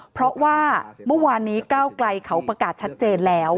เพราะว่าเมื่อวานนี้ก้าวไกลเขาประกาศชัดเจนแล้ว